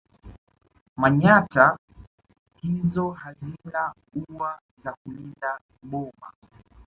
Manyatta hizo hazina ua za kulinda boma